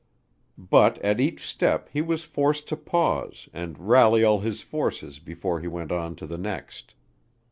But at each step he was forced to pause and rally all his forces before he went on to the next.